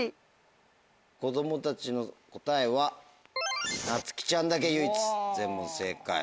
子供たちの答えはなつきちゃんだけ唯一全問正解。